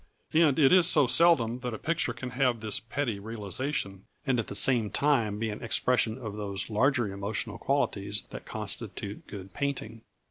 And it is so seldom that a picture can have this petty realisation and at the same time be an expression of those larger emotional qualities that constitute good painting.